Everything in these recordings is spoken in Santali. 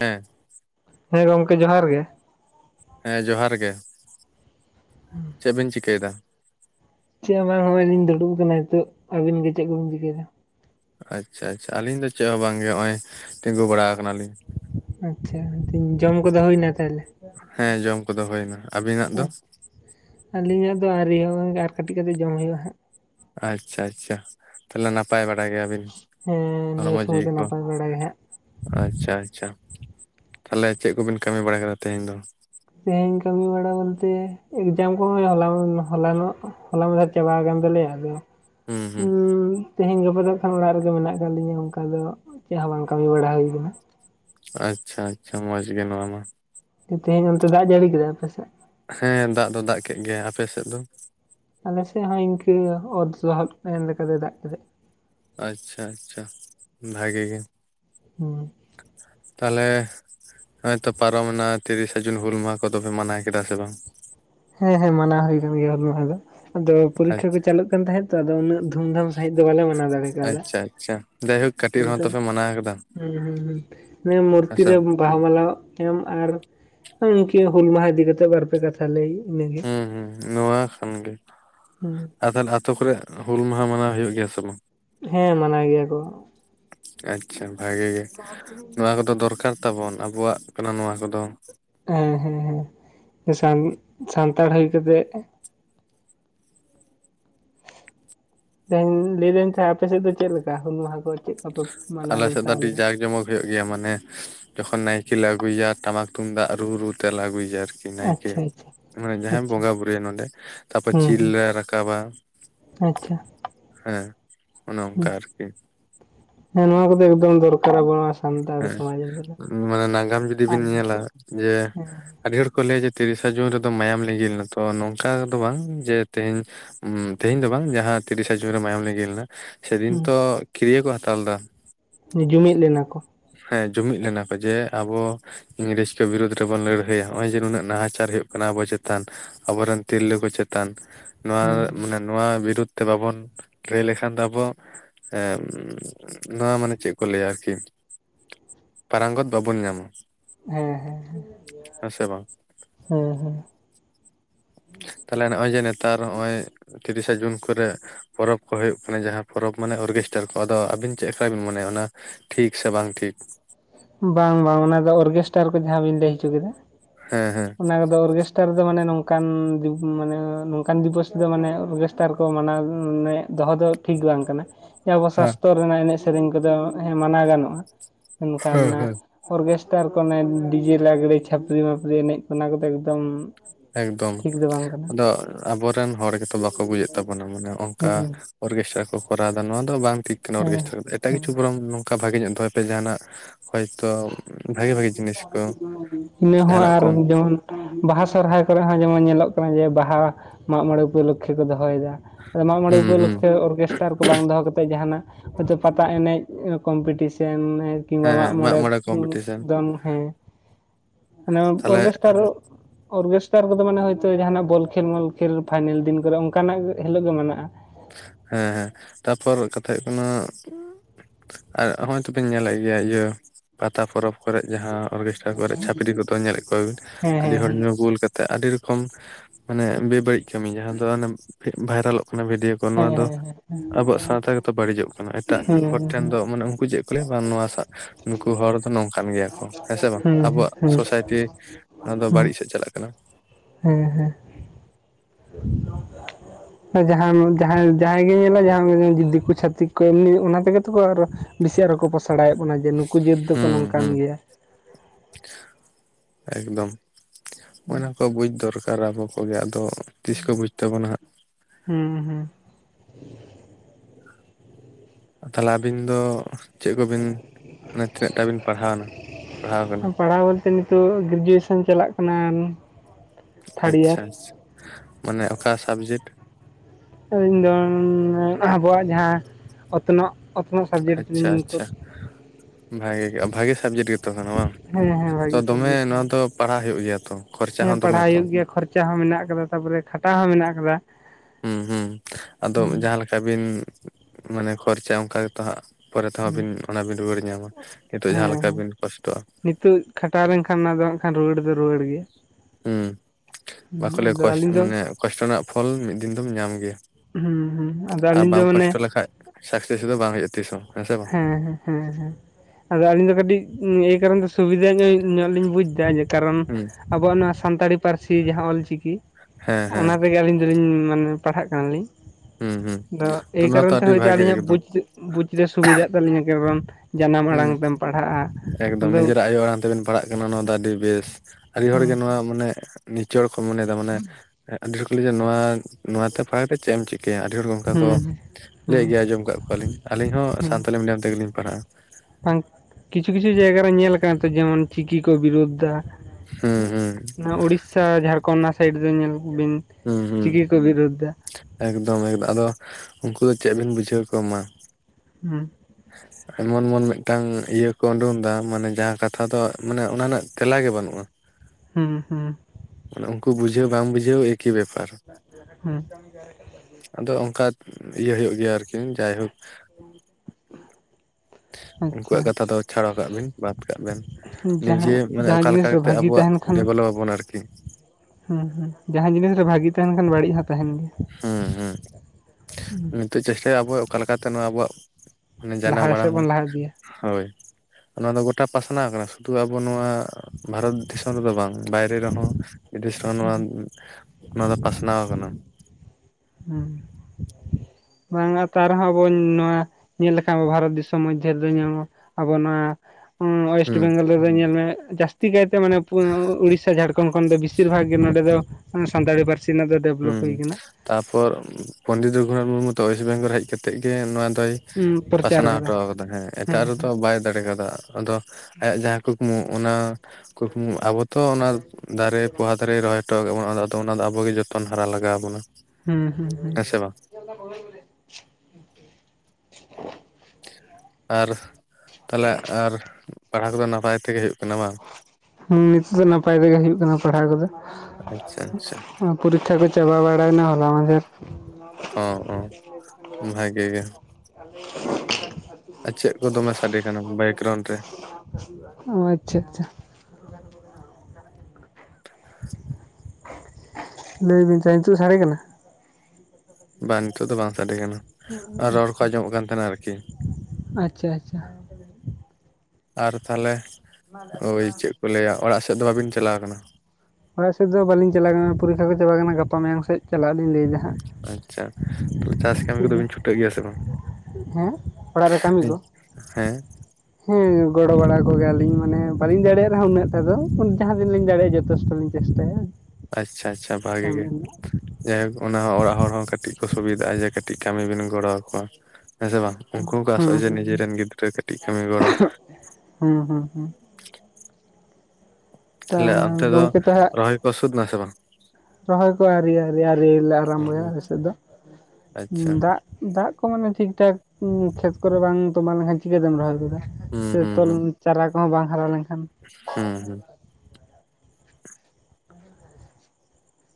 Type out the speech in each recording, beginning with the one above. ᱦᱮᱸ ᱦᱮᱸ ᱜᱚᱝᱠᱮ ᱡᱚᱦᱟᱨ ᱜᱮ᱾ ᱦᱮᱸ ᱡᱚᱦᱟᱨ ᱜᱮ᱾ ᱪᱮᱫ ᱵᱤᱱ ᱪᱤᱠᱟᱹᱭᱮᱫᱟ? ᱪᱮᱫ ᱦᱚᱸ ᱵᱟᱝ ᱦᱚᱸᱜ-ᱚᱭ ᱞᱤᱧ ᱫᱩᱲᱩᱵ ᱠᱟᱱᱟ ᱱᱤᱛᱚᱜ᱾ ᱟᱵᱤᱱ ᱜᱮ ᱪᱮᱫ ᱠᱚᱵᱤᱱ ᱪᱤᱠᱟᱹᱭᱫᱟ? ᱟᱪᱪᱷᱟ ᱟᱪᱪᱷᱟ, ᱟᱹᱞᱤᱧ ᱫᱚ ᱪᱮᱫ ᱦᱚᱸ ᱵᱟᱝᱜᱮ ᱱᱚᱜ-ᱚᱭ ᱛᱤᱸᱜᱩ ᱵᱟᱲᱟ ᱟᱠᱟᱱᱟᱞᱤᱧ᱾ ᱟᱪᱪᱷᱟ, ᱛᱤᱧ ᱡᱚᱢ ᱠᱚᱫᱚ ᱦᱩᱭᱱᱟ ᱛᱟᱦᱚᱞᱮ? ᱦᱮᱸ ᱡᱚᱢ ᱠᱚᱫᱚ ᱦᱩᱭᱱᱟ᱾ ᱟᱵᱤᱱᱟᱜ ᱫᱚ? ᱟᱪᱪᱷᱟ ᱟᱹᱞᱤᱧᱟᱜ ᱫᱚ ᱟᱹᱣᱨᱤ ᱦᱚᱭ ᱟᱨ ᱠᱟᱹᱴᱤᱡ ᱠᱟᱛᱮᱫ ᱡᱚᱢ ᱦᱩᱭᱩᱜ-ᱟ ᱦᱟᱸᱜ᱾ ᱟᱪᱪᱷᱟ ᱟᱪᱪᱷᱟ᱾ ᱛᱟᱦᱚᱞᱮ ᱱᱟᱯᱟᱭ ᱵᱟᱲᱟ ᱜᱮᱭᱟ ᱵᱤᱱ ᱦᱮᱸ ᱱᱤᱭᱟᱹ ᱦᱚᱲᱢᱚ ᱥᱚᱢᱚᱭ ᱡᱤᱣᱤ ᱫᱚ ᱠᱚ? ᱱᱟᱯᱟᱭ ᱵᱟᱲᱟ ᱜᱮ ᱦᱟᱸᱜ᱾ ᱟᱪᱪᱷᱟ ᱟᱪᱪᱷᱟ, ᱛᱟᱦᱚᱞᱮ ᱪᱮᱫ ᱠᱚᱵᱤᱱ ᱠᱟᱹᱢᱤ ᱵᱟᱲᱟ ᱠᱟᱫᱟ ᱛᱮᱦᱮᱧ ᱫᱚ? ᱛᱮᱦᱮᱧ ᱠᱟᱹᱢᱤ ᱵᱟᱲᱟ ᱵᱚᱞᱛᱮ, ᱮᱠᱡᱟᱢ ᱠᱚᱦᱚᱸ ᱦᱚᱞᱟ ᱦᱚᱞᱟᱱᱚᱜ ᱦᱚᱞᱟ ᱢᱟᱫᱷᱮᱨ ᱪᱟᱵᱟ ᱠᱟᱱ ᱛᱟᱞᱮᱭᱟ, ᱟᱫᱚ ᱦᱩᱸ ᱦᱩᱸ᱾ ᱛᱮᱦᱮᱧ ᱜᱟᱯᱟ ᱫᱚ ᱠᱷᱟᱱ ᱚᱲᱟᱜ ᱨᱮᱜᱮ ᱢᱮᱱᱟᱜ ᱠᱟᱫ ᱞᱤᱧᱟᱹ ᱚᱱᱠᱟ ᱫᱚ ᱪᱮᱫ ᱦᱚᱸ ᱵᱟᱝ ᱠᱟᱹᱢᱤ ᱵᱟᱲᱟ ᱦᱩᱭᱠᱟᱱᱟ᱾ ᱟᱪᱪᱷᱟ ᱟᱪᱪᱷᱟ, ᱢᱚᱸᱡᱽ ᱜᱮ ᱱᱚᱣᱟ ᱢᱟ᱾ [unintelligible] ᱛᱮᱦᱮᱧ ᱚᱱᱛᱮ ᱫᱟᱜ ᱡᱟᱹᱲᱤ ᱠᱮᱫᱟ ᱟᱯᱮ ᱥᱮᱫ? ᱦᱮᱸ ᱫᱟᱜ ᱫᱚ ᱫᱟᱜ ᱠᱮᱫ ᱜᱮᱭᱟᱭ᱾ ᱟᱯᱮ ᱥᱮᱫ ᱫᱚ? ᱟᱞᱮ ᱥᱮᱫ ᱦᱚᱸ ᱤᱱᱠᱟᱹ ᱜᱮ ᱚᱛ ᱞᱚᱦᱚᱫ ᱞᱮᱠᱟ ᱫᱚᱭ ᱫᱟᱜ ᱠᱮᱫᱟᱭ᱾ ᱟᱪᱪᱷᱟ ᱟᱪᱪᱷᱟ, ᱵᱷᱟᱜᱮ ᱜᱮ᱾ ᱦᱩᱸ᱾ ᱛᱟᱦᱚᱞᱮ ᱦᱚᱸᱜ-ᱚᱭ ᱛᱚ ᱯᱟᱨᱚᱢᱮᱱᱟ ᱛᱤᱨᱤᱥᱮ ᱡᱩᱱ, ᱦᱩᱞ ᱢᱟᱦᱟ ᱠᱚᱫᱚ ᱯᱮ ᱢᱟᱱᱟᱣ ᱠᱮᱫᱟ ᱥᱮ ᱵᱟᱝ? ᱦᱮᱸ ᱦᱮᱸ ᱢᱟᱱᱟᱣ ᱦᱩᱭ ᱠᱟᱱ ᱜᱮᱭᱟ ᱦᱩᱞ ᱢᱟᱦᱟ ᱫᱚ᱾ ᱟᱫᱚ ᱯᱚᱨᱤᱠᱠᱷᱟ ᱠᱚ ᱟᱪᱪᱷᱟ ᱪᱟᱞᱩᱜ ᱠᱟᱱ ᱛᱟᱦᱮᱸᱫ ᱛᱚ ᱟᱫᱚ ᱩᱱᱟᱹᱜ ᱫᱷᱩᱢᱫᱷᱟᱢ ᱥᱟᱺᱦᱤᱡ ᱫᱚ ᱵᱟᱞᱮ ᱢᱟᱱᱟᱣ ᱫᱟᱲᱮ ᱠᱟᱣᱫᱟ᱾ ᱟᱪᱪᱷᱟ ᱟᱪᱪᱷᱟ ᱡᱟᱭᱦᱳᱠ ᱠᱟᱹᱴᱤᱡ ᱨᱮᱦᱚᱸ ᱮᱱᱛᱮ, ᱦᱩᱸ ᱛᱚᱯᱮ ᱢᱟᱱᱟᱣ ᱠᱟᱫᱟ ᱦᱩᱸ ᱦᱩᱸ, ᱱᱤᱭᱚ ᱦᱮᱸ ᱢᱩᱨᱛᱤ ᱥᱮ ᱨᱮ ᱵᱟᱦᱟ ᱢᱟᱞᱟ ᱮᱢ ᱟᱨ ᱤᱱᱠᱟᱹ ᱦᱩᱞ ᱢᱟᱦᱟ ᱤᱫᱤ ᱠᱟᱛᱮᱜ ᱵᱟᱨᱼᱯᱮ ᱠᱟᱛᱷᱟ ᱞᱟᱹᱭ ᱤᱱᱟᱹᱜᱮ ᱦᱩᱸ ᱦᱩᱸ ᱱᱚᱣᱟ ᱠᱷᱟᱱ ᱜᱮ, ᱦᱩᱸ ᱟᱫᱷᱟᱱ ᱟᱛᱳ ᱠᱚᱨᱮ ᱦᱩᱞ ᱢᱟᱦᱟ ᱢᱟᱱᱟᱣ ᱦᱩᱭᱩᱜ ᱜᱮᱭᱟ ᱥᱮ ᱵᱟᱝ? ᱦᱮᱸ ᱢᱟᱱᱟᱭ ᱜᱮᱭᱟ ᱠᱚ᱾ ᱟᱪᱪᱷᱟ ᱵᱷᱟᱜᱤ ᱜᱮ᱾ [unintelligible] ᱱᱚᱣᱟ ᱠᱚᱫᱚ ᱫᱚᱨᱠᱟᱨ ᱛᱟᱵᱚᱱ, ᱟᱵᱚᱣᱟᱜ ᱠᱟᱱᱟ ᱱᱚᱣᱟ ᱠᱚᱫᱚ᱾ ᱦᱮᱸ ᱦᱮᱸ ᱦᱮᱸ ᱥᱟᱱᱛᱟᱲ ᱦᱩᱭ ᱠᱟᱛᱮᱜ ᱛᱮᱧ ᱞᱟᱹᱭ ᱫᱟᱹᱧ ᱛᱟᱦᱮᱸᱫ ᱟᱯᱮᱥᱮᱫ ᱫᱚ ᱪᱮᱫ ᱞᱮᱠᱟ? ᱦᱩᱞ ᱢᱟᱦᱟ ᱠᱚ ᱪᱮᱫ ᱞᱮᱠᱟᱯᱮ ᱢᱟᱱᱟᱣ ᱟᱞᱮ ᱥᱮᱫ ᱫᱚ ᱵᱟᱛᱟᱣ ᱟᱹᱰᱤ ᱞᱮᱫᱟ᱾ ᱡᱟᱸᱠ ᱡᱚᱢᱚᱠ ᱦᱩᱭᱩᱜ ᱜᱮᱭᱟ, ᱢᱟᱱᱮ ᱡᱚᱠᱷᱚᱱ ᱱᱟᱭᱠᱮ ᱞᱮ ᱟᱹᱜᱩᱭᱟ ᱴᱟᱢᱟᱠ ᱛᱩᱢᱫᱟᱜ ᱨᱩ ᱨᱩ ᱛᱮᱞᱮ ᱟᱹᱜᱩᱭᱮᱭᱟ ᱟᱨᱠᱤ. ᱾ ᱱᱟᱭᱠᱮ ᱟᱪᱪᱷᱟ ᱟᱪᱪᱷᱟ ᱢᱟᱱᱮ ᱡᱟᱦᱟᱸᱭ ᱟᱪᱪᱷᱟ ᱵᱚᱸᱜᱟ ᱵᱩᱨᱩᱭᱟ ᱱᱚᱸᱰᱮ ᱛᱟᱨᱯᱚᱨ ᱦᱩᱸ ᱪᱤᱞ ᱦᱩᱸ ᱞᱮ ᱨᱟᱠᱟᱵᱟ᱾ ᱟᱪᱪᱷᱟ᱾ ᱦᱮᱸ ᱚᱱᱮ ᱦᱩᱸ ᱚᱱᱠᱟ ᱟᱨᱠᱤ᱾ ᱦᱮᱸ ᱱᱚᱣᱟ ᱠᱚᱫᱚ ᱮᱠᱫᱚᱢ ᱫᱚᱨᱠᱟᱨ ᱟᱵᱚ ᱥᱟᱱᱛᱟᱲ ᱥᱚᱢᱟᱡᱽ ᱨᱮᱫᱚ ᱦᱮᱸ ᱱᱟᱜᱟᱢ ᱡᱩᱫᱤ ᱟᱨ ᱵᱤᱱ ᱧᱮᱞᱟ ᱡᱮ ᱦᱮᱸ ᱟᱹᱰᱤ ᱦᱚᱲ ᱠᱚ ᱞᱟᱹᱭᱟ ᱡᱮ ᱛᱤᱨᱤᱥᱟ ᱡᱩᱱ ᱨᱮᱫᱚ ᱢᱟᱭᱟᱢ ᱞᱤᱸᱡᱤ ᱞᱮᱱᱟ ᱛᱚ ᱱᱚᱝᱠᱟ ᱫᱚ ᱵᱟᱝ, ᱡᱮ ᱛᱮᱦᱮᱧ ᱛᱮᱦᱮᱧ ᱫᱚ ᱵᱟᱝ ᱡᱟᱦᱟᱸ ᱛᱤᱨᱤᱥᱟ ᱡᱩᱱ ᱨᱮ, ᱢᱟᱭᱟᱢ ᱞᱤᱜᱤ ᱞᱮᱱᱟ ᱥᱮᱫᱤᱱ ᱛᱚ ᱦᱩᱸ ᱠᱤᱨᱤᱭᱟᱹ ᱠᱚ ᱦᱟᱛᱟᱣ ᱞᱮᱫᱟ ᱡᱩᱢᱤᱫ ᱞᱮᱱᱟ ᱠᱚ᱾ ᱦᱮᱸ ᱡᱩᱢᱤᱫ ᱞᱮᱱᱟ ᱠᱚ᱾ ᱡᱮ ᱟᱵᱚ ᱤᱝᱨᱮᱡᱽ ᱠᱚ ᱵᱤᱨᱩᱫᱽ ᱨᱮᱵᱚᱱ ᱞᱟᱹᱲᱦᱟᱹᱭᱟ, ᱱᱚᱜᱼᱚᱭ ᱡᱮ ᱱᱩᱱᱟᱹᱜ ᱱᱟᱦᱟᱨ ᱦᱩᱭᱩᱜ ᱠᱟᱱᱟ ᱟᱵᱚ ᱪᱮᱛᱟᱱ ᱟᱵᱚᱨᱮᱱ ᱛᱤᱨᱞᱟᱹ ᱠᱚ ᱪᱮᱛᱟᱱ, ᱱᱚᱣᱟ ᱦᱩᱸ ᱢᱟᱱᱮ ᱱᱚᱣᱟ ᱵᱤᱨᱩᱫᱽ ᱛᱮ ᱵᱟᱵᱚᱱ ᱞᱟᱹᱭ ᱞᱮᱠᱷᱟᱱ ᱫᱚ ᱟᱵᱚ ᱦᱮᱸ ᱱᱚᱣᱟ ᱢᱟᱱᱮ ᱪᱮᱫ ᱠᱚ ᱞᱟᱹᱭ ᱟ ᱟᱨᱠᱤ? ᱯᱟᱨᱟᱝ ᱜᱚᱛ ᱵᱟᱵᱚᱱ ᱧᱟᱢ-ᱟ᱾ ᱦᱮᱸ ᱦᱮᱸ ᱦᱮ ᱦᱮᱸ ᱥᱮ ᱵᱟᱝ ᱦᱮᱸ ᱦᱮᱸ ᱛᱟᱦᱚᱞᱮ ᱱᱚᱜᱼᱚᱭ ᱡᱮ ᱱᱮᱛᱟᱨ ᱱᱚᱜᱼᱚᱭ ᱛᱤᱨᱤᱥᱟ ᱡᱩᱱ ᱠᱚᱨᱮ ᱯᱚᱨᱚᱵᱽ ᱠᱚ ᱦᱩᱭᱩᱜ ᱠᱟᱱᱟ᱾ ᱡᱟᱦᱟᱸ ᱯᱚᱨᱚᱵᱽ ᱢᱟᱱᱮ ᱚᱨᱜᱮᱥᱴᱟᱨ ᱠᱚ ᱟᱫᱚ ᱟᱹᱵᱤᱱ ᱪᱮᱫ ᱞᱮᱠᱟ ᱵᱤᱱ ᱢᱚᱱᱮᱭᱟ ᱚᱱᱟ ᱴᱷᱤᱠ ᱥᱮ ᱵᱟᱝ ᱴᱷᱤᱠ? ᱵᱟᱝ ᱵᱟᱝ ᱚᱱᱟ ᱫᱚ ᱚᱨᱜᱮᱥᱴᱟᱨ ᱠᱚ ᱡᱟᱦᱟᱸ ᱵᱤᱱ ᱞᱟᱹᱭ ᱦᱚᱪᱚ ᱠᱮᱫᱟ ᱦᱮᱸ ᱦᱮᱸ᱾ ᱚᱨᱠᱮᱥᱴᱟᱨ ᱨᱮ ᱫᱚ ᱢᱟᱱᱮ ᱱᱚᱝᱠᱟᱱ ᱢᱟᱱᱮ ᱱᱚᱝᱠᱟᱱ ᱫᱤᱵᱚᱥ ᱨᱮᱫᱚ ᱢᱟᱱᱮ ᱱᱮᱛᱟᱨ ᱠᱚ ᱢᱟᱱᱟᱣ ᱢᱟᱱᱮ ᱫᱚᱦᱚ ᱫᱚ ᱴᱷᱤᱠ ᱵᱟᱝ ᱠᱟᱱᱟ᱾ ᱟᱵᱚ ᱦᱮᱸ ᱥᱟᱥᱛᱚ ᱨᱮᱱᱟᱜ ᱮᱱᱮᱡ ᱥᱮᱨᱮᱧ ᱠᱚᱫᱚ ᱢᱟᱱᱟ ᱜᱟᱱᱚᱜᱼᱟ᱾ ᱦᱮᱸ ᱢᱮᱱᱠᱷᱟᱱ ᱦᱮᱸ ᱚᱨᱠᱮᱥᱴᱟᱨ ᱠᱚ ᱰᱤᱡᱮ ᱞᱟᱜᱽᱲᱮ ᱪᱷᱟᱯᱨᱤ ᱢᱟᱯᱨᱤ ᱮᱱᱮᱡ ᱚᱱᱟ ᱠᱚᱫᱚ ᱮᱠᱫᱚᱢ ᱮᱠᱫᱚᱢ ᱴᱷᱤᱠ ᱫᱚ ᱵᱟᱝ ᱠᱟᱱᱟ ᱟᱫᱚ ᱟᱵᱚᱨᱮᱱ ᱦᱚᱲ ᱜᱮᱛᱚ ᱵᱟᱠᱚ ᱵᱩᱡ ᱮᱫ ᱛᱟᱵᱚᱱᱟ, ᱢᱟᱱᱮ ᱚᱱᱠᱟ ᱦᱩᱸ ᱚᱨᱠᱮᱥᱴᱨᱟ ᱠᱚᱨᱟᱣ ᱮᱫᱟ ᱱᱚᱣᱟ ᱫᱚ ᱵᱟᱝ ᱴᱷᱤᱠ ᱠᱟᱱᱟ ᱦᱮᱸ ᱚᱨᱠᱮᱥᱴᱨᱟ ᱫᱚ ᱮᱟᱜ ᱦᱮᱸ ᱠᱤᱪᱷᱩ ᱵᱚᱨᱚᱝ ᱚᱱᱠᱟ ᱵᱷᱟᱜᱮ ᱧᱚᱜ ᱫᱚᱦᱚᱭ ᱯᱮ᱾ ᱡᱟᱦᱟᱱᱟᱜ ᱦᱚᱭ ᱛᱚ ᱤᱱᱟᱹ ᱦᱚᱸ ᱡᱟᱦᱟᱱᱟᱜ ᱟᱨ ᱠᱚᱢ ᱡᱮᱢᱚᱱ ᱵᱟᱦᱟ ᱥᱚᱨᱦᱟᱭ ᱠᱚᱨᱮᱜ ᱦᱚᱸ ᱡᱮᱢᱚᱱ ᱧᱮᱞᱚᱜ ᱠᱟᱱᱟ, ᱡᱮ ᱵᱟᱦᱟ ᱢᱟᱜᱽ ᱢᱚᱬᱮ ᱩᱯᱚᱞᱚᱠᱷᱮ ᱠᱚ ᱫᱚᱦᱚᱭ ᱫᱟ᱾ ᱟᱫᱚ ᱢᱟᱜ ᱢᱲᱟᱮ ᱦᱩᱸ ᱦᱩᱸ ᱩᱯᱚᱞᱚᱠᱷᱮ ᱚᱨᱠᱮᱨ ᱱᱮᱛᱟᱨ ᱠᱚ ᱵᱟᱝ ᱫᱚᱦᱚ ᱠᱟ ᱠᱟᱛᱮᱫ, ᱡᱟᱦᱟᱱᱟᱜ ᱦᱳᱭ ᱛᱳ ᱯᱟᱛᱟ ᱮᱱᱮᱡ, ᱠᱚᱢᱯᱤᱴᱤᱥᱮᱱ ᱠᱤᱢᱵᱟ ᱦᱮᱸ ᱢᱟᱜᱽ ᱦᱮᱸ ᱢᱟᱜ ᱢᱚᱬᱮ ᱠᱚᱢᱯᱤᱴᱤᱥᱮᱱ ᱫᱚᱱ ᱦᱮᱸ ᱾ ᱢᱟᱱᱮ ᱛᱟᱦᱚᱞᱮ ᱚᱨᱠᱮᱥᱴᱟᱨ ᱚᱨᱜᱮᱥᱴᱟᱨ ᱠᱚᱫᱚ ᱢᱟᱱᱮ ᱦᱳᱭᱛᱳ ᱡᱟᱦᱟᱱᱟᱜ ᱵᱚᱞ ᱠᱷᱮᱞ ᱢᱚᱞ ᱠᱷᱮᱞ ᱯᱷᱟᱭᱱᱮᱞ ᱫᱤᱱ ᱠᱚᱨᱮ, ᱚᱱᱠᱟᱱᱟᱜ ᱦᱤᱞᱳᱜ ᱜᱮ ᱢᱮᱱᱟᱜ-ᱟ᱾ ᱦᱮᱸ ᱦᱮᱸ ᱛᱟᱨᱯᱚᱨ ᱠᱟᱛᱷᱟ ᱦᱩᱭᱩᱜ ᱠᱟᱱᱟ ᱟᱨ ᱦᱚᱜ ᱛᱚᱵᱤᱱ ᱧᱮᱞᱮᱫ ᱜᱮᱭᱟ, ᱤᱭᱟᱹ ᱯᱟᱛᱟ ᱯᱚᱨᱚᱵᱽ ᱠᱚᱨᱮ ᱡᱟᱦᱟᱸ ᱚᱨᱠᱮᱥᱴ ᱪᱷᱟᱯᱨᱤ ᱠᱚᱫᱚ ᱧᱮᱞᱮᱫ ᱠᱚᱣᱟ ᱵᱤᱱ᱾ ᱦᱮᱸ ᱟᱹᱰᱤ ᱦᱮᱸ ᱦᱚᱲ ᱧᱩ ᱵᱩᱞ ᱠᱟᱛᱮ ᱛᱮ ᱟᱹᱰᱤ ᱨᱚᱠᱚᱢ ᱢᱟᱱᱮ ᱵᱮᱼᱵᱟᱹᱲᱤᱡ ᱠᱟᱹᱢᱤ ᱡᱟᱦᱟᱸ ᱫᱚ ᱚᱱᱮ ᱵᱷᱟᱭᱨᱟᱞᱚᱜ ᱠᱟᱱᱟ᱾ ᱵᱷᱤᱰᱭᱳ ᱠᱚ ᱦᱮᱸ ᱱᱚᱣᱟ ᱫᱚ ᱦᱮᱸ ᱦᱮᱸ᱾ ᱟᱵᱚᱣᱟᱜ ᱥᱟᱶᱛᱟ ᱜᱮᱛᱚ ᱵᱟᱹᱲᱤᱡᱚᱜ ᱠᱟᱱᱟ ᱮᱴᱟᱜ ᱦᱮᱸ ᱦᱮᱸ ᱦᱮᱸ ᱦᱚᱲ ᱴᱷᱮᱱ ᱫᱚ ᱢᱟᱱᱮ ᱩᱱᱠᱩ ᱪᱮᱫ ᱠᱚ ᱞᱟᱹᱭ ᱟ ᱵᱟᱝ ᱱᱚᱣᱟ ᱥᱟᱶ ᱱᱩᱠᱩ ᱦᱚᱲ ᱫᱚ ᱱᱚᱝᱠᱟᱱ ᱜᱮᱭᱟ ᱠᱚ ᱦᱮᱸ ᱥᱮ ᱵᱟᱝ ᱟᱵᱚᱣᱟᱜ? ᱥᱳᱥᱟᱭᱴᱤ ᱱᱚᱣᱟ ᱫᱚ ᱦᱮᱸ ᱵᱟᱹᱲᱤᱡ ᱥᱮᱫ ᱪᱟᱞᱟᱜ ᱠᱟᱱᱟ᱾ ᱦᱮᱸ ᱦᱮᱸ᱾ [inaudible] ᱡᱟᱦᱟᱸ ᱡᱟᱦᱟᱸ ᱡᱟᱦᱟᱸᱭ ᱜᱮᱭ ᱧᱮᱞᱟ ᱡᱟᱦᱟᱸ ᱡᱩᱫᱤ ᱠᱤᱠᱩ ᱪᱷᱟᱹᱛᱤᱠ ᱠᱚ, ᱮᱢᱱᱤ ᱚᱱᱟ ᱛᱮᱜᱮ ᱛᱚᱠᱚ ᱟᱨᱚ ᱵᱮᱥᱤ ᱟᱨᱚ ᱠᱚ ᱯᱚᱥᱟᱲᱟᱭᱮᱫ ᱵᱚᱱᱟ ᱡᱮ ᱱᱩᱠᱩ ᱡᱟᱹᱛ ᱫᱚᱠᱚ ᱦᱩᱸ ᱦᱩᱸ ᱱᱚᱝᱠᱟᱱ ᱜᱮᱭᱟ ᱮᱠᱫᱚᱢ [inaudible] ᱠᱚ ᱵᱩᱡᱽ ᱫᱚᱨᱠᱟᱨᱟ ᱟᱵᱚ ᱠᱚᱜᱮ ᱟᱫᱚ ᱛᱤᱥ ᱠᱚ ᱵᱩᱡᱽ ᱛᱟᱵᱚᱱᱟ ᱦᱟᱸᱜ᱾ ᱦᱩᱸ ᱦᱩᱸ ᱛᱟᱦᱚᱞᱮ ᱟᱹᱵᱤᱱ ᱫᱚ ᱪᱮᱫ ᱠᱚᱵᱤᱱ ᱢᱟᱱᱮ ᱛᱤᱱᱟᱹᱜ ᱴᱟ ᱵᱤᱱ ᱯᱟᱲᱦᱟᱣᱱᱟ ᱯᱟᱲᱦᱟᱣ ᱠᱟᱱᱟ᱾ ᱦᱩᱸ ᱯᱟᱲᱦᱟᱣ ᱵᱚᱞᱛᱮ ᱱᱤᱛᱚᱜ ᱜᱨᱮᱡᱩᱭᱮᱥᱚᱱ ᱪᱟᱞᱟᱜ ᱠᱟᱱᱟ᱾ ᱛᱷᱟᱨᱰ ᱤᱭᱟᱨ ᱟᱪᱪᱷᱟ ᱟᱪᱪᱷᱟ ᱢᱟᱱᱮ ᱚᱠᱟ ᱥᱟᱵᱡᱮᱠᱴ ᱤᱧ ᱫᱚ ᱟᱵᱚᱣᱟᱜ ᱡᱟᱦᱟᱸ ᱚᱛᱱᱚᱜ᱾ ᱚᱛᱱᱚᱜ ᱥᱟᱵᱡᱮᱠᱴ ᱟᱪᱪᱷᱟ ᱛᱤᱧ ᱟᱪᱪᱷᱟ ᱵᱷᱟᱜᱮ ᱜᱮ ᱵᱷᱟᱜᱮ ᱥᱟᱵᱡᱮᱠᱴ ᱜᱮᱛᱚ ᱦᱮᱸ ᱦᱮᱸ ᱵᱷᱟᱹᱜᱤ [inaudible] ᱫᱚᱢᱮ ᱥᱟᱵᱡᱮᱠᱴ ᱱᱚᱣᱟ ᱠᱟᱱᱟ ᱫᱚ ᱯᱟᱲᱦᱟᱣ ᱦᱩᱭᱩᱜ ᱜᱮᱭᱟ ᱛᱚ ᱠᱷᱚᱨᱪᱟ ᱦᱚᱸ ᱫᱚᱢᱮ ᱛᱚ᱾ ᱠᱷᱚᱪᱟ ᱦᱚᱸ ᱢᱮᱱᱟᱜ ᱟᱠᱟᱫᱟ ᱛᱟᱯᱚᱨᱮ ᱠᱷᱟᱴᱟ ᱦᱚᱸ ᱢᱮᱱᱟᱜ ᱟᱠᱟᱫᱟ᱾ ᱦᱩᱸ ᱦᱩᱸ ᱟᱫᱚ ᱦᱩᱸ ᱡᱟᱦᱟᱸ ᱞᱮᱠᱟ ᱵᱤᱱ ᱢᱟᱱᱮ ᱠᱷᱚᱨᱪᱟ ᱚᱱᱠᱟ ᱜᱮᱛᱚ ᱦᱟᱸᱜ ᱯᱚᱨᱮ ᱦᱩᱸ ᱛᱮᱦᱚᱸᱵᱤᱱ ᱚᱱᱟ ᱵᱤᱱ ᱨᱩᱣᱟᱹᱲ ᱧᱟᱢᱟ ᱱᱤᱛᱚᱜ ᱦᱮᱸ ᱡᱟᱦᱟᱸ ᱞᱮᱠᱟ ᱦᱮᱸ ᱵᱤᱱ ᱠᱚᱥᱴᱚᱜᱼᱟ᱾ ᱱᱤᱛᱚᱜ ᱠᱷᱟᱴᱟᱣ ᱞᱮᱱ ᱠᱷᱟᱱ ᱚᱱᱟ ᱫᱚ ᱦᱟᱜ ᱠᱷᱟᱱ ᱨᱩᱣᱟᱹᱲ ᱫᱚ ᱨᱩᱩᱭᱟᱹᱲ ᱜᱮᱭᱟ᱾ ᱦᱮᱸ ᱦᱩᱸ ᱵᱟᱠᱚ ᱞᱟᱹᱭ ᱟᱫᱚ ᱠᱚᱣᱟ ᱟᱹᱞᱤᱧ ᱫᱚ ᱢᱟᱱᱮ ᱠᱚᱥᱴᱚ ᱨᱮᱱᱟᱜ ᱯᱷᱚᱞ ᱢᱤᱫ ᱫᱤᱱ ᱫᱚᱢ ᱧᱟᱢ ᱜᱮᱭᱟ᱾ ᱦᱩᱸ ᱦᱩᱸ ᱟᱫᱚ ᱟᱨ ᱟᱹᱞᱤᱧ ᱫᱚ ᱵᱟᱢ ᱢᱟᱱᱮ᱾ ᱠᱚᱥᱴᱚ ᱞᱮᱠᱷᱟᱡ ᱥᱟᱠᱥᱮᱥ ᱫᱚ ᱵᱟᱝ ᱦᱩᱭᱩᱜᱼᱟ ᱛᱤᱥᱦᱚ ᱦᱮᱥᱮ ᱵᱟᱝ ᱦᱮᱸ ᱦᱮᱸ ᱦᱮᱸ ᱟᱫᱚ ᱟᱹᱞᱤᱧ ᱫᱚ ᱠᱟᱹᱴᱤᱡ ᱮᱭ ᱠᱟᱨᱚᱱ ᱛᱮ ᱥᱩᱵᱤᱫᱟ ᱧᱚᱜ ᱧᱚᱜ ᱞᱤᱧ ᱵᱩᱡᱽ ᱮᱫᱟ᱾ ᱠᱟᱨᱚᱱ ᱦᱩᱸ ᱟᱵᱚᱣᱟᱜ ᱱᱚᱣᱟ ᱥᱟᱱᱛᱟᱲᱤ ᱯᱟᱹᱨᱥᱤ, ᱡᱟᱦᱟᱸ ᱚᱞ ᱪᱤᱠᱤ ᱦᱮᱸ ᱦᱮᱸ ᱚᱱᱟ ᱨᱮᱜᱮ ᱟᱹᱞᱤᱧ ᱟᱹᱞᱤᱧ ᱢᱟᱱᱮ ᱯᱟᱲᱦᱟᱜ ᱠᱟᱱᱟᱞᱤᱧ ᱦᱩᱸ ᱦᱩᱸ ᱟᱫᱚ ᱛᱚ ᱮᱭ ᱱᱚᱣᱟ ᱛᱚ ᱠᱟᱨᱚᱱ ᱛᱮ ᱟᱹᱰᱤ ᱦᱚᱭᱛᱚ ᱵᱷᱟᱜᱮ ᱟᱹᱞᱤᱧᱟᱜ ᱮᱠᱫᱚᱢ ᱵᱩᱡᱽ᱾ ᱵᱩᱡᱽ ᱨᱮ ᱥᱩᱵᱤᱫᱷᱟᱜ ᱛᱟᱹᱞᱤᱧᱟ ᱡᱮ ᱵᱚᱨᱚᱱ ᱡᱟᱱᱟᱢ ᱦᱩᱸ ᱟᱲᱟᱝ ᱛᱮᱢ᱾ ᱯᱟᱲᱦᱟᱜᱼᱟ ᱮᱠᱫᱚᱢ ᱟᱫᱚ ᱱᱤᱡᱮᱨᱟᱜ ᱟᱭᱳ ᱟᱲᱟᱝ ᱛᱮᱵᱮᱱ ᱯᱟᱲᱦᱟᱜ᱾ ᱠᱟᱱᱟ ᱱᱚᱣᱟ ᱫᱚ ᱟᱹᱰᱤ ᱵᱮᱥ ᱟᱹᱰᱤ ᱦᱩᱸ ᱦᱚᱲᱜᱮ ᱱᱚᱣᱟ ᱢᱟᱱᱮ ᱱᱤᱪᱚᱲ ᱠᱚ ᱢᱚᱱᱮᱭᱮᱫᱟ ᱢᱟᱱᱮ᱾ ᱟᱹᱰᱤ ᱦᱚᱲ ᱠᱚ ᱞᱟᱹᱭᱟ ᱱᱚᱣᱟ ᱱᱚᱣᱟᱛᱮ ᱯᱟᱲᱦᱟᱣ ᱠᱟᱛᱮᱜ ᱪᱮᱫ ᱮᱢ ᱪᱤᱠᱟᱹᱭᱟ ᱟᱹᱰᱤ ᱦᱚᱲ ᱚᱱᱠᱟ ᱠᱚ᱾ ᱦᱩᱸ ᱞᱟᱹᱭ ᱦᱩᱸ ᱜᱮᱭᱟ ᱟᱸᱡᱚᱢ ᱟᱠᱟᱫ ᱠᱚᱣᱟᱞᱤᱧ ᱟᱹᱞᱤᱧ ᱦᱚᱸ ᱦᱩᱸ ᱥᱟᱱᱛᱟᱞᱤ ᱢᱤᱰᱤᱭᱟᱢ ᱛᱮᱜᱮᱞᱤᱧ ᱯᱟᱲᱦᱟᱜ ᱾ ᱵᱟᱝ ᱠᱤᱪᱷᱩ ᱠᱤᱪᱷᱩ ᱡᱟᱭᱜᱟᱮ ᱧᱮᱞ ᱠᱟᱱᱟ ᱛᱚ ᱡᱮᱢᱚᱱ ᱪᱤᱠᱤ ᱠᱚ ᱵᱤᱨᱳᱫᱽ ᱮᱫᱟ᱾ ᱦᱩᱸ ᱦᱩᱸ ᱚᱱᱟ ᱳᱲᱤᱥᱟ ᱡᱷᱟᱲᱠᱷᱚᱱᱰ ᱚᱱᱟ ᱥᱟᱭᱤᱰ ᱨᱮ ᱫᱚ ᱧᱮᱞ ᱵᱤᱱ ᱦᱩᱸ ᱦᱩᱸ ᱪᱤᱠᱤ ᱠᱚ ᱵᱤᱨᱳᱫᱽ ᱮᱫᱟ ᱮᱠᱫᱚᱢ ᱮᱠᱫᱚᱢ ᱟᱫᱚ ᱩᱱᱠᱩ ᱫᱚ ᱪᱮᱫ ᱵᱤᱱ ᱵᱩᱡᱷᱟᱹᱣ ᱟᱠᱚᱣᱟ ᱢᱟ᱾ ᱦᱩᱸ [unintelligible] ᱮᱢᱚᱱ ᱮᱢᱚᱱ ᱢᱤᱫᱴᱟᱝ ᱤᱭᱟᱹ ᱠᱚ ᱩᱰᱳᱝ ᱮᱫᱟ ᱢᱟᱱᱮ ᱡᱟᱦᱟᱸ ᱠᱟᱛᱷᱟ ᱫᱚ ᱢᱟᱱᱮ ᱚᱱᱟ ᱨᱮᱱᱟᱜ ᱛᱮᱞᱟ ᱜᱮ ᱵᱟᱹᱱᱩᱜᱼᱟ᱾ ᱦᱩᱸ ᱦᱩᱸ ᱢᱟᱱᱮ ᱩᱱᱠᱩ ᱵᱩᱡᱷᱟᱹᱣ ᱵᱟᱝ ᱵᱩᱡᱷᱟᱹᱣ ᱮᱠᱤ ᱵᱮᱯᱟᱨ᱾ ᱦᱩᱸ ᱟᱫᱚ ᱚᱱᱠᱟ ᱤᱭᱟᱹ ᱦᱩᱭᱩᱜ ᱜᱮᱭᱟ ᱟᱨᱠᱤ ᱡᱟᱭᱦᱳᱠ ᱟᱪᱪᱷᱟ ᱩᱱᱠᱩᱣᱟᱜ ᱠᱟᱛᱷᱟ ᱟᱪᱪᱷᱟ ᱫᱚ ᱪᱷᱟᱲᱟ ᱠᱟᱜ ᱵᱤᱱ, ᱵᱟᱫᱽ ᱠᱟᱜ ᱵᱤᱱ ᱱᱤᱡᱮ ᱡᱟᱦᱟᱸ ᱢᱟᱱᱮ ᱡᱟᱦᱟᱸ ᱚᱠᱟᱞᱮᱠᱟ ᱡᱤᱱᱤᱥ ᱨᱮ ᱠᱟᱛᱮᱜ ᱵᱷᱟᱹᱜᱤ ᱟᱵᱚᱣᱟᱜ ᱛᱟᱦᱮᱱ ᱠᱷᱟᱱ ᱰᱮᱵᱷᱞᱚᱯ ᱟᱵᱚᱱ ᱟᱨᱠᱤ᱾ ᱦᱩᱸ ᱦᱩᱸ ᱡᱟᱦᱟᱸ ᱡᱤᱱᱤᱥ ᱨᱮ ᱵᱷᱟᱜᱤ ᱛᱟᱦᱮᱸᱱ ᱠᱷᱟᱱ ᱵᱟᱹᱲᱤᱡ ᱦᱚᱸ ᱛᱟᱦᱮᱸᱱ ᱜᱮᱭᱟ ᱦᱩᱸ ᱦᱩᱸ ᱱᱤᱛᱚᱜ ᱪᱮᱥᱴᱟᱭᱟ ᱟᱵᱚ ᱚᱠᱟ ᱞᱮᱠᱟᱛᱮ ᱱᱚᱣᱟ ᱟᱵᱚᱣᱟᱜ ᱡᱟᱱᱟᱢ ᱞᱟᱦᱟ ᱥᱮᱫ ᱢᱟᱲᱟᱝ ᱵᱚᱱ ᱞᱟᱦᱟ ᱤᱫᱤᱭᱟ ᱦᱳᱭ ᱚᱱᱟ ᱫᱚ ᱜᱚᱴᱟ ᱯᱟᱥᱱᱟᱜ ᱠᱟᱱᱟ ᱥᱩᱫᱷᱩ ᱟᱵᱚ ᱱᱚᱣᱟ᱾ ᱵᱷᱟᱨᱚᱛ ᱫᱤᱥᱚᱢ ᱨᱮᱫᱚ ᱵᱟᱝ ᱵᱟᱦᱨᱮ ᱨᱮᱦᱚᱸ ᱵᱤᱫᱮᱥ ᱨᱮᱦᱚᱸ ᱱᱚᱣᱟ ᱱᱚᱣᱟ ᱫᱚ ᱯᱟᱥᱱᱟᱣ ᱟᱠᱟᱱᱟ ᱦᱩᱸ ᱵᱟᱝᱼᱟ ᱛᱮ ᱨᱮᱦᱚᱸ ᱟᱵᱚ ᱱᱚᱣᱟ ᱧᱮᱞ ᱞᱮᱠᱷᱟᱱ ᱵᱷᱟᱨᱚᱛ ᱫᱤᱥᱚᱢ ᱢᱚᱫᱽᱫᱷᱮ ᱨᱮᱫᱚ ᱡᱮ ᱟᱵᱚ ᱱᱚᱣᱟ ᱭᱮᱥᱴ ᱦᱩᱸ ᱵᱮᱝᱜᱚᱞ ᱨᱮᱫᱚ ᱧᱮᱞ ᱢᱮ ᱡᱟᱹᱥᱛᱤ ᱠᱟᱭᱛᱮ ᱢᱟᱱᱮ ᱳᱩᱲᱤᱥᱟ ᱡᱷᱟᱲᱠᱷᱚᱱᱰ ᱡᱷᱟᱲᱠᱷᱚᱱ ᱠᱷᱚᱱ ᱫᱚ ᱵᱮᱥᱤᱨ ᱵᱷᱟᱜᱽ ᱜᱮ ᱱᱚᱸᱰᱮ ᱫᱚ ᱥᱟᱱᱛᱟᱲᱤ ᱯᱟᱹᱨᱥᱤ ᱨᱮᱱᱟᱜ ᱫᱚ᱾ ᱦᱩᱸ ᱰᱮᱵᱷᱞᱚᱯ ᱦᱩᱭ ᱦᱩᱸ ᱠᱟᱱᱟ ᱛᱟᱯᱚᱨ ᱯᱚᱱᱰᱤᱛ ᱨᱚᱜᱷᱩᱱᱟᱛᱷ ᱢᱩᱨᱢᱩ ᱛᱚ ᱭᱮᱥᱴ ᱵᱮᱝᱜᱚᱞ ᱦᱮᱡ ᱠᱟᱛᱮᱜ ᱜᱮ ᱱᱚᱣᱟ ᱫᱚᱭ ᱯᱟᱥᱱᱟᱣ ᱦᱚᱴᱚ ᱠᱟᱫᱟ ᱦᱮᱸ ᱦᱩᱸ ᱮᱴᱟᱜ ᱨᱮᱫᱚ ᱦᱩᱸ ᱵᱟᱭ ᱫᱟᱲᱮ ᱠᱟᱫᱟ ᱟᱫᱚ ᱟᱭᱟᱜ ᱡᱟᱦᱟᱸ ᱠᱚ ᱠᱩᱠᱢᱩ ᱚᱱᱟ ᱠᱩᱠᱢᱩ ᱟᱵᱚ ᱛᱚ ᱚᱱᱟ ᱫᱟᱨᱮ ᱯᱚᱦᱟ ᱫᱟᱨᱮᱭ ᱨᱚᱦᱚᱭ ᱦᱚᱴᱚ ᱟᱠᱟᱫ ᱵᱚᱱᱟ ᱟᱫᱚ ᱚᱱᱟ ᱫᱚ ᱟᱵᱚᱜᱮ ᱡᱚᱛᱚᱱ ᱦᱟᱨᱟ ᱞᱟᱜᱟᱣ ᱟᱵᱚᱱᱟ᱾ ᱦᱩᱸ ᱦᱩᱸ ᱦᱩᱸ ᱦᱮᱸ ᱥᱮ ᱵᱟᱝ ᱟᱨ ᱛᱟᱦᱚᱞᱮ ᱟᱨ ᱯᱟᱲᱦᱟᱣ ᱠᱚᱫᱚ ᱱᱟᱯᱟᱭ ᱛᱮᱜᱮ ᱦᱩᱭᱩᱜ ᱠᱟᱱᱟ ᱵᱟᱝ ᱦᱩᱸ ᱱᱤᱛᱚ ᱫᱚ ᱱᱟᱯᱟᱭ ᱛᱮᱜᱮ ᱦᱩᱭᱩᱜ ᱠᱟᱱᱟ ᱯᱟᱲᱦᱟᱣ ᱠᱚᱫᱚ᱾ ᱟᱪᱪᱷᱟ ᱟᱪᱪᱷᱟ ᱯᱚᱨᱤᱠᱷᱟ ᱠᱚ ᱪᱟᱵᱟ ᱵᱟᱲᱟᱭᱮᱱᱟ ᱦᱚᱞᱟ ᱢᱟᱱᱫᱷᱮᱨ ᱦᱚᱸ ᱚᱸ ᱵᱷᱟᱜᱮ ᱜᱮ ᱟᱞᱮ [unintelligible] ᱟᱨ ᱪᱮᱫ ᱠᱚ ᱫᱚᱢᱮ ᱥᱟᱰᱮ ᱠᱟᱱᱟ ᱵᱮᱠᱜᱨᱟᱣᱩᱱᱰ ᱨᱮ [unintelligible] ᱚ ᱟᱪᱪᱷᱟ ᱟᱪᱪᱷᱟ ᱞᱟᱹᱭᱵᱤᱱ ᱱᱤᱛᱩᱜ ᱥᱟᱰᱮ ᱠᱟᱱᱟ ᱵᱟᱝ ᱱᱤᱛᱚᱜ ᱫᱚ ᱵᱟᱝ ᱥᱟᱰᱮ ᱠᱟᱱᱟ ᱟᱨ ᱨᱚᱲ ᱠᱚ ᱟᱸᱡᱚᱢᱚᱜ ᱠᱟᱱ ᱛᱟᱦᱮᱸᱱᱟ ᱟᱨᱠᱤ ᱟᱪᱪᱷᱟ ᱟᱪᱪᱷᱟ ᱟᱪᱪᱷᱟ ᱟᱨ ᱛᱟᱦᱞᱮ ᱳᱭ ᱪᱮᱫ ᱠᱚ ᱞᱟᱹᱭᱟ ᱚᱲᱟᱜ ᱥᱮᱫ ᱫᱚ ᱵᱟᱹᱵᱤᱱ ᱪᱟᱞᱟᱣ ᱟᱠᱟᱱᱟ ᱚᱲᱟᱜ ᱥᱮᱫ ᱫᱚ ᱵᱟᱞᱤᱧ ᱪᱟᱞᱟᱜ ᱠᱟᱱᱟ ᱯᱚᱨᱤᱠᱷᱟ ᱠᱚ ᱪᱟᱵᱟᱜ ᱠᱟᱱᱟ ᱜᱟᱯᱟ ᱢᱮᱭᱟᱝ ᱥᱮᱫ ᱪᱟᱞᱟᱜ ᱞᱤᱧ ᱞᱟᱹᱭᱮᱫᱟ ᱦᱟᱸᱜ ᱟᱪᱪᱷᱟ ᱛᱚᱞᱮ ᱪᱟᱥ ᱠᱟᱹᱢᱤ ᱱᱤᱛᱚᱜ ᱠᱚᱫᱚ ᱫᱚ ᱵᱤᱱ ᱪᱷᱩᱴᱟᱹᱜ ᱜᱮᱭᱟ ᱥᱮ ᱵᱟᱝ ᱦᱮᱸ ᱚᱲᱟᱜ ᱨᱮ ᱠᱟᱹᱢᱤ ᱠᱚ ᱦᱮᱸ ᱦᱮᱸ ᱜᱚᱲᱚ ᱵᱟᱲᱟ ᱠᱚᱜᱮᱭᱟᱞᱤᱧ ᱢᱟᱱᱮ ᱵᱟᱞᱤᱧ ᱫᱟᱲᱮᱭᱟᱜ ᱨᱮᱦᱚᱸ ᱩᱱᱟᱹᱜ ᱛᱮ ᱫᱚ ᱡᱟᱦᱟᱸ ᱫᱤᱱ ᱞᱤᱧ ᱫᱟᱲᱮᱭᱟᱜᱼᱟ ᱡᱚ ᱛᱚᱥᱴᱚ ᱞᱤᱧ ᱪᱮᱥᱴᱟᱭᱟ᱾ ᱟᱪᱪᱷᱟ ᱟᱪᱪᱷᱟ ᱵᱷᱟᱜᱮ ᱠᱟᱹᱢᱤ ᱜᱮ ᱨᱮᱱᱟᱜ ᱡᱟᱭ ᱦᱳᱠ ᱚᱱᱟ ᱦᱚᱸ ᱚᱲᱟᱜ ᱦᱚᱲ ᱦᱚᱸ ᱠᱟᱴᱤᱡ ᱠᱚ ᱥᱩᱵᱤᱫᱷᱟᱜᱼᱟ ᱡᱮ ᱠᱟᱹᱴᱤᱡ ᱠᱟᱹᱢᱤ ᱵᱮᱱ ᱜᱚᱲᱚ ᱟᱠᱚᱣᱟ ᱦᱮᱸ ᱥᱮ ᱵᱟᱝ ᱩᱱᱠᱩ ᱦᱚᱸᱠᱚ ᱦᱩᱸ ᱟᱥᱚᱜᱼᱟ ᱡᱮ ᱦᱩᱸ ᱦᱩᱸ ᱱᱤᱡᱮᱨᱮᱱ ᱜᱤᱫᱽᱨᱟᱹ ᱠᱟᱹᱴᱤᱡ ᱠᱟᱹᱢᱤ ᱜᱚᱲᱚ ᱦᱩᱸ ᱦᱩᱸ ᱦᱩᱸ ᱛᱟ ᱛᱟᱦᱞᱮ ᱚᱱᱛᱮ ᱫᱚ ᱜᱚᱢᱠᱮ ᱛᱟᱦᱟᱜ ᱨᱚᱦᱚᱭ ᱠᱚ ᱥᱟᱹᱛ ᱮᱱᱟ ᱥᱮ ᱵᱟᱝ ᱨᱚᱦᱚᱭ ᱠᱚ ᱟᱨᱤᱭᱟ ᱟᱨᱤᱞᱮ ᱟᱨᱟᱢᱵᱚᱭᱟ ᱟᱞᱮ ᱥᱮᱫ ᱫᱚ ᱟᱪᱪᱷᱟ ᱫᱟᱜ ᱫᱟᱜ ᱠᱚ ᱢᱟᱱᱮ ᱴᱷᱤᱠᱴᱷᱟᱠ ᱠᱷᱮᱛ ᱠᱚᱨᱮ ᱵᱟᱝ ᱛᱚᱢᱵᱟ ᱞᱮᱱᱠᱷᱟᱱ ᱪᱤᱠᱟᱹ ᱛᱮᱢ ᱨᱚᱦᱚᱭ ᱜᱚᱫᱟ ᱦᱩᱸ ᱥᱮ ᱛᱚᱞ ᱪᱟᱨᱟ ᱠᱚᱦᱚᱸ ᱵᱟᱝ ᱦᱟᱨᱟ ᱞᱮᱱᱠᱷᱟᱱ ᱦᱮᱸ ᱦᱮᱸ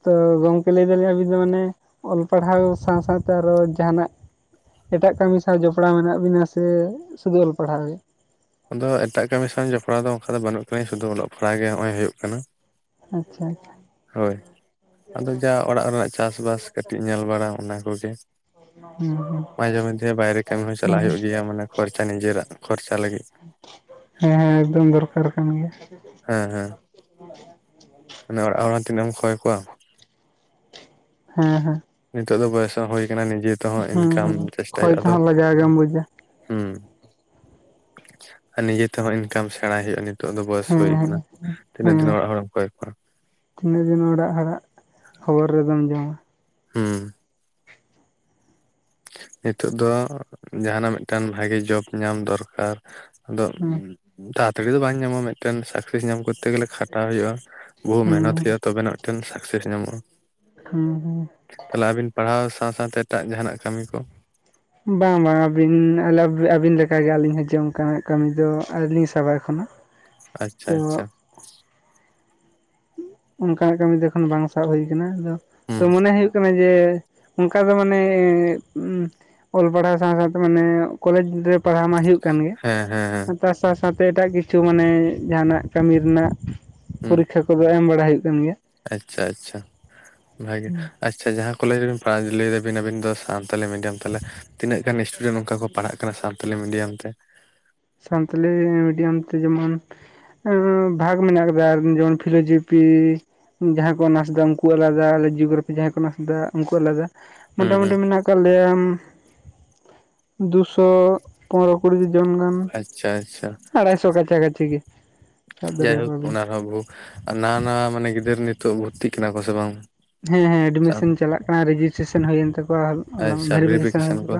ᱛᱚ ᱜᱚᱝᱠᱮ ᱞᱟᱹᱭ ᱫᱟᱞᱤᱧ ᱟᱵᱤᱱ ᱫᱚ ᱢᱟᱱᱮ ᱚᱞ ᱯᱟᱲᱦᱟᱣ ᱥᱟᱶ ᱥᱟᱶ ᱛᱮ ᱟᱨᱚ ᱡᱟᱦᱟᱱᱟᱜ ᱮᱴᱟᱜ ᱠᱟᱹᱢᱤ ᱥᱟᱶ ᱡᱚᱯᱲᱟᱣ ᱢᱮᱱᱟᱜ ᱵᱤᱱᱟ ᱥᱮ ᱥᱩᱫᱩ ᱚᱞ ᱯᱟᱲᱦᱟᱣ ᱨᱮ ᱜᱤ ᱟᱫᱚ ᱮᱴᱟᱜ ᱠᱟᱹᱢᱤ ᱥᱟᱶ ᱡᱚᱯᱲᱟᱣ ᱫᱚ ᱚᱱᱠᱟ ᱫᱚ ᱵᱟᱹᱱᱩᱜ ᱟᱫᱤᱧ ᱥᱩᱫᱩ ᱚᱞᱚᱜ ᱯᱟᱲᱦᱟᱜ ᱜᱮ ᱦᱚᱜᱼ ᱚᱭ ᱦᱩᱭᱩᱜ ᱠᱟᱱᱟ᱾ ᱟᱪᱪᱷᱟ ᱟᱪᱪᱷᱟ ᱦᱳᱭ ᱟᱫᱚ ᱡᱟᱣ ᱚᱲᱟᱜ ᱨᱮᱱᱟᱜ ᱪᱟᱥ ᱵᱟᱥ ᱠᱟᱹᱴᱤᱡ ᱧᱮᱞ ᱵᱟᱲᱟ ᱚᱱᱟ ᱠᱚᱜᱮ ᱦᱮᱸ ᱦᱮᱸ ᱢᱟᱡᱷᱮ ᱢᱟᱫᱷᱮ ᱵᱟᱭᱨᱮ ᱠᱟᱹᱢᱤ ᱦᱚᱸ ᱦᱮᱸ ᱪᱟᱞᱟᱜ ᱦᱩᱭᱩᱜ ᱜᱮᱭᱟ ᱢᱟᱱᱮ ᱠᱷᱚᱨᱪᱟ ᱱᱤᱡᱮᱨᱟᱜ ᱠᱷᱚᱨᱪᱟ ᱞᱟᱹᱜᱤᱫ ᱦᱮᱸ ᱦᱮᱸ ᱮᱠᱫᱚᱢ ᱫᱚᱨᱠᱟᱨ ᱠᱟᱱ ᱜᱮᱭᱟ ᱦᱮᱸᱻᱦᱮᱸᱻ ᱢᱟᱱᱮ ᱚᱲᱟᱜ ᱦᱚᱲ ᱦᱚᱸ ᱛᱤᱱᱟᱹᱜ ᱮᱢ ᱠᱚᱭ ᱠᱚᱣᱟ ᱦᱮᱸᱻᱦᱮᱸᱻ ᱱᱤᱛᱚᱜ ᱫᱚ ᱵᱚᱭᱮᱥ ᱦᱚᱸ ᱦᱳᱭ ᱠᱟᱱᱟ ᱱᱤᱡᱮ ᱛᱮᱦᱚᱸ ᱦᱮᱸ ᱤᱱᱠᱟᱢ ᱦᱮᱸ ᱪᱮᱥᱴᱟᱭ ᱠᱷᱚᱭ ᱦᱳᱭᱳᱜᱼᱟ ᱛᱚ ᱛᱮᱦᱚᱸ ᱞᱟᱡᱟᱣ ᱜᱮᱢ ᱵᱩᱡᱟ ᱦᱩᱸ ᱟᱨ ᱱᱤᱡᱮ ᱛᱮᱦᱚᱸ ᱤᱱᱠᱟᱢ ᱥᱮᱬᱟᱭ ᱦᱳᱭᱳᱜᱼᱟ᱾ ᱱᱤᱛᱚᱜ ᱫᱚ ᱵᱚᱭᱮᱥ ᱦᱮᱸ ᱦᱩᱭ ᱦᱮᱸ ᱟᱠᱟᱱᱟ ᱛᱤᱱᱟᱹᱜ ᱫᱤᱱ ᱦᱮᱸ ᱚᱲᱟᱜ ᱦᱚᱲᱮᱢ ᱠᱚᱭ ᱠᱚᱣᱟ ᱛᱤᱱᱟᱹᱜ ᱜᱤ ᱱᱚᱭᱰᱟ ᱟᱲᱟᱜ ᱠᱷᱚᱵᱚᱨ ᱨᱮᱫᱚᱢ ᱡᱚᱢᱟ ᱦᱩᱸ ᱱᱤᱛᱚᱜ ᱫᱚ ᱡᱟᱦᱟᱱᱟᱜ ᱢᱤᱫᱴᱟᱝ ᱵᱷᱟᱜᱮ ᱡᱚᱵ ᱧᱟᱢ ᱫᱚᱨᱠᱟᱨ ᱟᱫᱚ ᱦᱮᱸ ᱫᱟᱲᱟᱛᱟᱲᱤ ᱫᱚ ᱵᱟᱝ ᱧᱟᱢᱟ ᱢᱤᱫᱴᱮᱱ ᱥᱮᱠᱥᱮᱥ ᱧᱟᱢ ᱠᱚᱛ ᱠᱚᱛᱮ ᱜᱮᱞᱮ ᱠᱷᱟᱴᱟᱣ ᱦᱩᱭᱩᱜᱼᱟ ᱵᱩᱦᱩ ᱢᱮᱦᱱᱚᱛ ᱦᱩᱸ ᱦᱩᱭᱩᱜᱼᱟ ᱛᱚᱵᱮᱱᱟ ᱢᱤᱫᱴᱮᱱ ᱥᱟᱠᱥᱮᱥ ᱧᱟᱢᱚᱜᱼᱟ᱾ ᱦᱮᱸ ᱦᱮᱸ ᱛᱟᱦᱞᱮ ᱟᱹᱵᱤᱱ ᱯᱟᱲᱦᱟᱣ ᱥᱟᱶ ᱥᱟᱶ ᱛᱮ ᱮᱴᱟᱜ ᱡᱟᱦᱟᱱᱟᱜ ᱠᱟᱢᱤ ᱠᱚ ᱵᱟᱝ ᱵᱟᱝ ᱟᱹᱵᱤᱱ ᱟᱹᱵᱤᱱ ᱞᱮᱠᱟᱜᱮ ᱟᱹᱞᱤᱧ ᱦᱚᱸ ᱡᱮ ᱚᱱᱠᱟᱱᱟᱜ ᱠᱟᱹᱢᱤ ᱫᱚ ᱟᱹᱣᱨᱤᱞᱤᱧ ᱥᱟᱵᱟ ᱮᱠᱷᱚᱱᱚ ᱟᱪᱪᱷᱟ ᱟᱪᱪᱷᱟ ᱚᱱᱠᱟ ᱠᱟᱹᱢᱤ ᱫᱚ ᱠᱷᱚ ᱵᱟᱝ ᱥᱟᱵ ᱦᱩᱭ ᱟᱠᱟᱱᱟ ᱫᱚ ᱛᱚ ᱦᱩᱸ ᱢᱚᱱᱮ ᱦᱩᱭᱩᱜ ᱠᱟᱱᱟ ᱡᱮ ᱚᱱᱠᱟ ᱫᱚ ᱢᱟᱱᱮ ᱮᱸᱫ ᱩᱸ ᱚᱞ ᱯᱟᱲᱦᱟᱣ ᱥᱟᱶ ᱥᱟᱶᱛᱮ ᱢᱟᱱᱮ ᱠᱚᱞᱮᱡᱽ ᱨᱮ ᱯᱟᱲᱦᱟᱣ ᱢᱟ ᱦᱩᱭᱩᱜ ᱠᱟᱱ ᱜᱮ ᱦᱮᱸ ᱦᱮᱸ ᱦᱮᱸ ᱛᱟᱨ ᱥᱟᱶ ᱥᱟᱶᱛᱮ ᱮᱴᱟᱜ ᱠᱤᱪᱷᱩ ᱢᱟᱱᱮ ᱡᱟᱦᱟᱱᱟᱜ ᱠᱟᱹᱢᱤ ᱨᱮᱱᱟᱜ ᱾ ᱦᱩᱸ ᱾ ᱠᱷᱟᱹᱣᱠᱟᱹ ᱫᱚ ᱮᱢ ᱵᱟᱲᱟ ᱦᱩᱭᱩᱜ ᱠᱟᱱ ᱜᱮᱭᱟ ᱾ ᱟᱪᱪᱷᱟ ᱟᱪᱪᱷᱟ, ᱵᱷᱟᱜᱮ ᱾ ᱟᱪᱪᱷᱟ ᱡᱟᱦᱟᱸ ᱠᱚᱞᱮᱡᱽ ᱨᱮᱵᱮᱱ ᱯᱟᱲᱦᱟᱜ ᱟ ᱞᱟᱹᱭ ᱫᱟᱵᱤᱱ ᱟᱵᱤᱱ ᱫᱚ ᱥᱟᱱᱛᱟᱞᱤ ᱢᱤᱰᱤᱭᱟᱢ, ᱛᱟᱞᱦᱮ ᱛᱤᱱᱟᱹᱜ ᱜᱟᱱ ᱥᱴᱩᱰᱮᱱᱴ ᱚᱱᱠᱟ ᱠᱚ ᱯᱟᱲᱦᱟᱜ ᱠᱟᱱᱟ ᱥᱟᱱᱛᱟᱞᱤ ᱢᱤᱰᱤᱭᱟᱢ ᱛᱮ? ᱥᱟᱱᱛᱟᱞᱤ ᱢᱤᱰᱤᱭᱟᱢ ᱛᱮ ᱡᱮᱢᱚᱱ ᱵᱷᱟᱜᱽ ᱢᱮᱱᱟᱜ ᱟᱠᱟᱫᱟ ᱡᱮᱢᱚᱱ ᱯᱷᱤᱞᱳᱚᱡᱚᱯᱷᱤ, ᱡᱟᱦᱟᱸᱭ ᱠᱚ ᱚᱱᱟᱨᱥ ᱫᱟ ᱩᱱᱠᱩ ᱟᱞᱟᱫᱟ, ᱟᱞᱮ ᱡᱤᱭᱳᱜᱨᱟᱯᱷᱤ ᱡᱟᱦᱟᱸᱭ ᱠᱚ ᱚᱱᱟᱨᱥ ᱫᱟ ᱩᱱᱠᱩ ᱟᱞᱟᱫᱟ ᱾ ᱦᱩᱸ ᱢᱚᱴᱟᱢᱩᱴᱤ ᱦᱩᱸ ᱢᱮᱱᱟᱜ ᱟᱠᱟᱫ ᱞᱮᱭᱟ ᱫᱩᱥᱚ ᱯᱚᱱᱨᱚ ᱾ ᱠᱩᱲᱤ [unintelligible] ᱡᱚᱱ ᱜᱟᱱ ᱟᱪᱪᱷᱟ ᱟᱪᱪᱷᱟ ᱟᱲᱟᱭᱥᱚ ᱠᱟᱪᱷᱟ ᱠᱟᱪᱷᱤ ᱜᱮ ᱾ ᱡᱟᱭᱦᱳᱠ ᱚᱱᱟ ᱨᱮᱦᱚᱸ ᱵᱚᱦᱤ, ᱟᱨ ᱱᱟᱣᱟ ᱱᱟᱣᱟ ᱢᱟᱱᱮ ᱜᱤᱫᱟᱹᱨ ᱱᱤᱛᱚᱜ ᱵᱷᱚᱨᱛᱤᱜ ᱠᱟᱱᱟ ᱠᱚ ᱥᱮ ᱵᱟᱝ? ᱦᱮᱸ ᱦᱮᱸ ᱮᱰᱢᱤᱥᱮᱱ ᱪᱟᱞᱟᱜ ᱠᱟᱱᱟ ᱨᱮᱡᱤᱥᱴᱨᱮᱥᱮᱱ ᱦᱩᱭᱮᱱ ᱛᱟᱠ ᱟᱪᱪᱷᱟ ᱵᱷᱮᱨᱤᱯᱷᱤᱠᱮᱥᱮᱱ ᱠᱚ,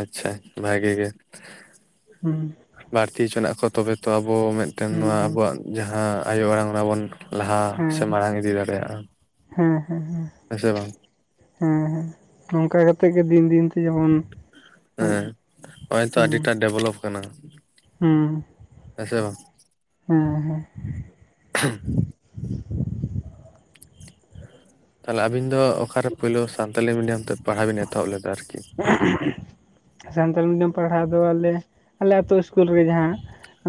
ᱟᱪᱪᱷᱟ ᱵᱷᱟᱜᱮ ᱜᱮ᱾ ᱦᱩᱸ ᱵᱟᱹᱲᱛᱤ ᱦᱚᱪᱚᱱᱟᱜ ᱠᱚ ᱛᱚᱵᱮ ᱛᱚ ᱟᱵᱚ ᱢᱤᱫᱴᱟᱝ ᱦᱩᱸ ᱱᱚᱣᱟ ᱦᱩᱸ ᱟᱵᱚᱣᱟᱜ ᱡᱟᱦᱟᱸ ᱟᱭᱳ ᱟᱲᱟᱝ ᱚᱱᱟ ᱵᱚᱱ ᱞᱟᱦᱟ ᱦᱮᱸ ᱥᱮ ᱢᱟᱲᱟᱝ ᱤᱫᱤ ᱫᱟᱲᱮᱭᱟᱜᱼᱟ ᱾ ᱦᱮᱸ ᱦᱮᱸ ᱦᱮᱸ᱾ ᱦᱮᱸ ᱥᱮ ᱵᱟᱝ? ᱦᱮᱸ ᱦᱮᱸ ᱚᱱᱠᱟ ᱠᱟᱛᱮ ᱜᱮ ᱫᱤᱱ ᱫᱤᱱ ᱛᱮ ᱡᱮᱢᱚᱱ ᱦᱩᱸ ᱦᱮᱸ ᱱᱚᱜᱼᱚᱭ ᱛᱚ ᱟᱹᱰᱤ ᱦᱩᱸ ᱴᱟ ᱰᱮᱵᱷᱮᱞᱚᱯ ᱠᱟᱱᱟ ᱾ ᱦᱮᱸ ᱥᱮ ᱵᱟᱝ? ᱦᱮᱸ ᱦᱮᱸ᱾ [inaudible] ᱛᱟᱦᱚᱞᱮ ᱟᱵᱤᱱ ᱫᱚ ᱚᱠᱟ ᱨᱮ ᱯᱳᱭᱞᱳ ᱥᱟᱱᱛᱟᱞᱤ ᱢᱤᱰᱤᱭᱟᱢ ᱛᱮ ᱯᱟᱲᱦᱟᱣ ᱵᱮᱱ ᱮᱛᱚᱦᱚᱵ ᱞᱮᱫᱟ ᱟᱨᱠᱤ? [inaudible] ᱥᱟᱱᱛᱟᱞᱤ ᱢᱤᱰᱤᱭᱟᱢ ᱯᱟᱲᱦᱟᱣ ᱫᱚ ᱟᱞᱮ ᱟᱞᱮ ᱟᱛᱳ ᱤᱥᱠᱩᱞ ᱨᱮᱜᱮ ᱡᱟᱦᱟᱸ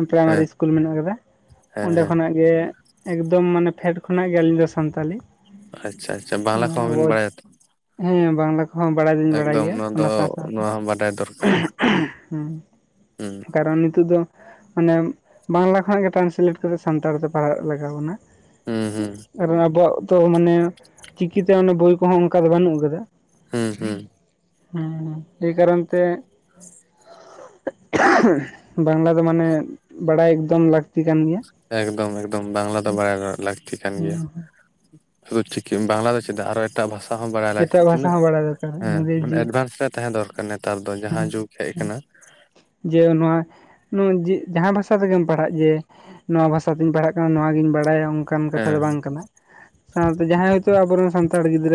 ᱯᱨᱟᱭᱢᱟᱨᱤ ᱦᱮᱸ ᱤᱥᱠᱩᱞ ᱢᱮᱱᱟᱜ ᱟᱠᱟᱫᱟ ᱦᱮᱸ ᱚᱸᱰᱮ ᱦᱮᱸ ᱠᱷᱚᱱᱟᱜ ᱜᱮ, ᱮᱠᱫᱚᱢ ᱢᱟᱱᱮ ᱯᱷᱮᱰ ᱠᱷᱚᱱᱟᱜ ᱜᱮ ᱟᱹᱞᱤᱧ ᱫᱚ ᱥᱟᱱᱛᱟᱞᱤ᱾ ᱟᱪᱪᱷᱟ ᱟᱪᱪᱷᱟ, ᱵᱟᱝᱞᱟ ᱠᱚᱦᱚᱸ ᱟᱵᱚ ᱵᱤᱱ ᱵᱟᱲᱟᱭᱟ ᱛᱚ? ᱦᱮᱸ ᱵᱟᱝᱞᱟ ᱠᱚᱦᱚᱸ ᱵᱟᱲᱟᱭ ᱫᱩᱧ ᱵᱟᱲᱟᱭ ᱮᱠᱫᱚᱢ ᱜᱮᱭᱟ ᱾ ᱱᱚᱣᱟ ᱫᱚ ᱚᱱᱟ ᱥᱟᱶ ᱥᱟᱶᱛᱮ, ᱱᱚᱣᱟ ᱦᱚᱸ ᱵᱟᱰᱟᱭ ᱫᱚᱨᱠᱟᱨ [inaudible] ᱦᱩᱸ᱾ ᱦᱩᱸ ᱠᱟᱨᱚᱱ ᱱᱤᱛᱚᱜ ᱫᱚ ᱢᱟᱱᱮ ᱵᱟᱝᱞᱟ ᱠᱷᱚᱱᱟᱜ ᱜᱮ ᱴᱨᱟᱱᱥᱮᱞᱮᱴ ᱠᱟᱛᱮ ᱥᱟᱱᱛᱟᱲ ᱛᱮ ᱯᱟᱲᱦᱟᱜ ᱞᱟᱜᱟᱣ ᱵᱚᱱᱟ᱾ ᱦᱩᱸ ᱦᱩᱸ ᱟᱨ ᱟᱵᱚᱣᱟᱜ ᱛᱚ ᱢᱟᱱᱮ ᱪᱤᱠᱤᱛᱮ ᱚᱱᱮ ᱵᱳᱭ ᱠᱚᱦᱚᱸ ᱚᱱᱠᱟ ᱫᱚ ᱵᱟᱹᱱᱩᱜ ᱟᱠᱟᱫᱟ᱾ ᱦᱩᱸ ᱦᱮᱸ ᱦᱩᱸ ᱦᱮᱸ ᱮᱭ ᱠᱟᱨᱚᱱ ᱛᱮ ᱵᱟᱝᱞᱟ ᱫᱚ ᱢᱟᱱᱮ ᱵᱟᱲᱟᱭ ᱮᱠᱫᱚᱢ ᱞᱟᱹᱠᱛᱤ ᱠᱟᱱ ᱜᱮᱭᱟ ᱾ ᱮᱠᱫᱚᱢ ᱮᱠᱫᱚᱢ ᱵᱟᱝᱞᱟ ᱫᱚ ᱵᱟᱲᱟᱭ ᱞᱟᱹᱠᱛᱤ ᱠᱟᱱ ᱦᱮᱸ ᱜᱮᱭᱟ ᱦᱮᱸ ᱾ ᱥᱤᱫᱩ ᱪᱤᱠᱤ ᱵᱟᱝᱞᱟ ᱫᱚ ᱪᱮᱫᱟᱜ ᱟᱨᱚ ᱮᱴᱟᱜ ᱵᱷᱟᱥᱟ ᱦᱚᱸ ᱵᱟᱲᱟᱭ ᱞᱟᱹᱠᱛᱤ ᱮᱴᱟᱜ ᱵᱷᱟᱥᱟ ᱛᱤᱱᱟᱹᱜ ᱦᱚᱸ ᱵᱟᱲᱟᱭ ᱫᱚᱨᱠᱟᱨ ᱦᱮᱸ ᱢᱟᱱᱮ ᱤᱝᱨᱮᱡᱤ ᱮᱰᱵᱷᱟᱱᱥ ᱨᱮ ᱛᱟᱦᱮᱸ ᱫᱚᱨᱠᱟᱨ ᱱᱮᱛᱟᱨ ᱫᱚ ᱡᱟᱦᱟᱸ ᱡᱩᱜᱽ ᱦᱮᱡ ᱟᱠᱟᱱᱟ᱾ ᱡᱮ ᱱᱚᱣᱟ ᱱᱚᱜ-ᱚᱭ ᱡᱮ ᱡᱟᱦᱟᱸ ᱵᱷᱟᱥᱟ ᱛᱮᱜᱮᱢ ᱯᱟᱲᱦᱟᱜ ᱡᱮ ᱱᱚᱣᱟ ᱵᱷᱟᱥᱟ ᱛᱤᱧ ᱯᱟᱲᱦᱟᱜ ᱠᱟᱱᱟ ᱱᱚᱣᱟ ᱜᱤᱧ ᱵᱟᱲᱟᱭᱟ ᱚᱱᱠᱟᱱ ᱠᱟᱛᱷᱟ ᱦᱮᱸ ᱫᱚ ᱵᱟᱝ ᱠᱟᱱᱟ, ᱥᱟᱶᱛᱮ ᱡᱟᱦᱟᱸᱭ ᱦᱚᱭᱛᱚ ᱟᱵᱚ ᱨᱮᱱ ᱥᱟᱱᱛᱟᱲ ᱜᱤᱫᱽᱨᱟᱹ